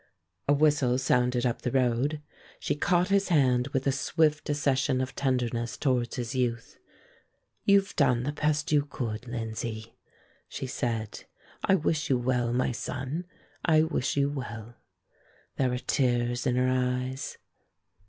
A whistle sounded up the road. She caught his hand with a swift accession of tenderness towards his youth. "You've done the best you could, Lindsay," she said. "I wish you well, my son, I wish you well." There were tears in her eyes.